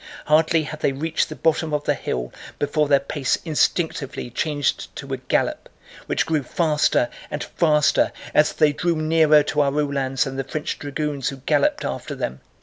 Hardly had they reached the bottom of the hill before their pace instinctively changed to a gallop, which grew faster and faster as they drew nearer to our Uhlans and the French dragoons who galloped after them.